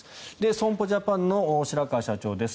損保ジャパンの白川社長です。